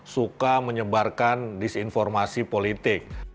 suka menyebarkan disinformasi politik